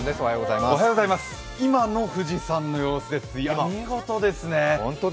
今の富士山の様子です、きれいですね。